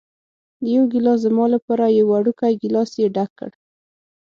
یو ګېلاس زما لپاره، یو وړوکی ګېلاس یې ډک کړ.